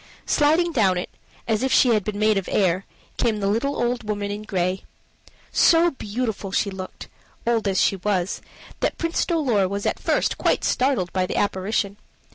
Sliding down it, as if she had been made of air, came the little old woman in gray. So beautiful looked she old as she was that Prince Dolor was at first quite startled by the apparition.